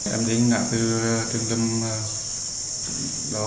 em đến ngã từ trường tâm đó